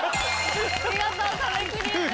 見事壁クリアです。